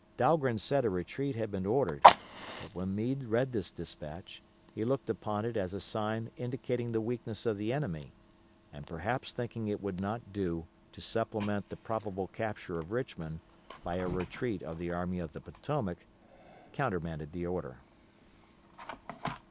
Dahlgren said a retreat had been ordered, but when Meade read this despatch, he looked upon it as a sign indicating the weakness of the enemy, and perhaps thinking it would not do to supplement the probable capture of Richmond by a retreat of the Army of the Potomac, countermanded the order.